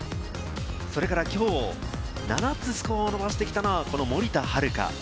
それから、きょう７つスコアを伸ばしてきたのが森田遥。